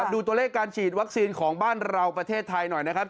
ดูตัวเลขการฉีดวัคซีนของบ้านเราประเทศไทยหน่อยนะครับ